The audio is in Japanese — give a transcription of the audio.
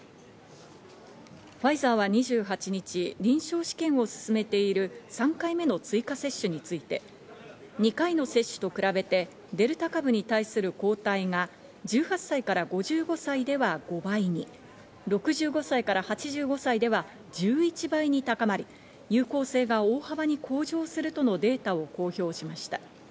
ファイザーは２８日、臨床試験を進めている３回目の追加接種について、２回の接種と比べてデルタ株に対する抗体が１８歳から５５歳では５倍に、６５歳から８５歳では１１倍に高まり、有効性が大幅に向上するとのデータを公表しました。